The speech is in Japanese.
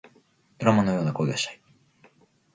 ドラマのような恋がしたい